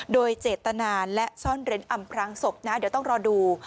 โดยเจตนาและซ่อนเร้นอำพรางศพนะเดี๋ยวต้องรอดู